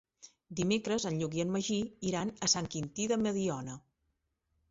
Dimecres en Lluc i en Magí iran a Sant Quintí de Mediona.